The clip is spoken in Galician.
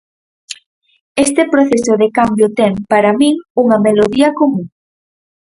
Este proceso de cambio ten, para min, unha melodía común.